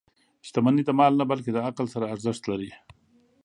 • شتمني د مال نه، بلکې د عقل سره ارزښت لري.